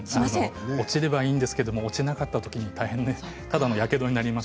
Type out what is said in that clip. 落ちればいいんですが落ちなかったときに大変です。